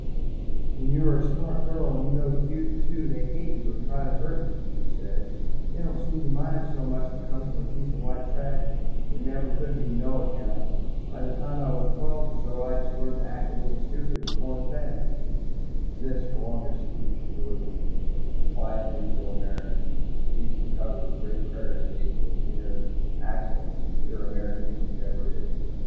"When you are a smart girl, and you know the future, too, they hate you and try to hurt you," she said. "They don't seem to mind it so much if it comes from a piece of white trash that never could be 'no account.' By the time I was twelve or so I had learned to act just a little stupid and corn fed." This, her longest speech, she delivered in quiet, Neutral American, the speech that covers the great prairie states and is as near accentless and pure as American English ever is.